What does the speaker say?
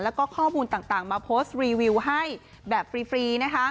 แล้วก็ข้อมูลต่างมาโพสต์รีวิวให้แบบฟรี